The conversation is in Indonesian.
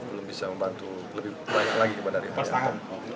belum bisa membantu lebih banyak lagi kepada rio haryanto